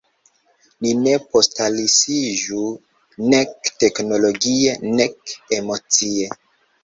Ni ne postlasiĝu, nek teknologie nek emocie.